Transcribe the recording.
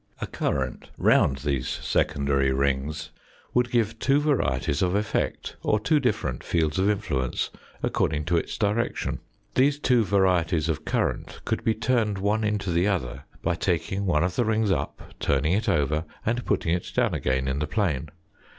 A current round these secondary rings would give two varieties of effect, or two different fields of influence, according to its direction. These two varieties of current could be turned one into the other by taking one of the rings up, turning it over, and putting it down again in the plane.